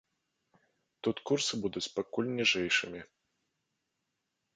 Тут курсы будуць пакуль ніжэйшымі.